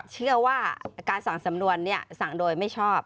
เชื่อว่าการสั่งสำนวนสั่งโดยไม่ชอบ